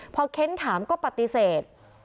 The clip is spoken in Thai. พอเค้นถามก็ปฏิเสธ